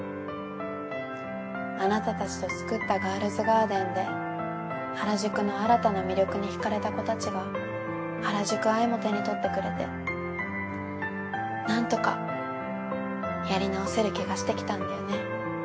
あなたたちと作った『ガールズガーデン』で原宿の新たな魅力に惹かれた子たちが『原宿アイ』も手に取ってくれてなんとかやり直せる気がしてきたんだよね。